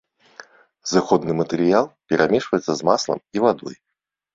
Зыходны матэрыял перамешваецца з маслам і вадой.